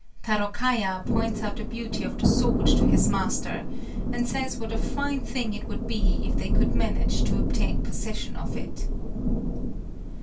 Tarôkaja points out the beauty of the sword to his master, and says what a fine thing it would be if they could manage to obtain possession of it.